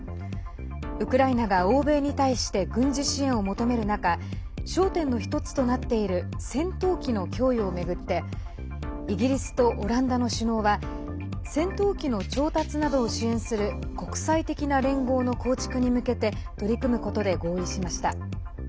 ウクライナが欧米に対して軍事支援を求める中焦点の１つとなっている戦闘機の供与を巡ってイギリスとオランダの首脳は戦闘機の調達などを支援する国際的な連合の構築に向けて取り組むことで合意しました。